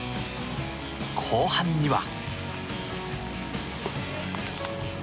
後半には。